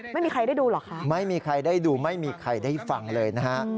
ไม่มีใครได้ดูหรอคะไม่มีใครได้ดูไม่มีใครได้ฟังเลยนะฮะ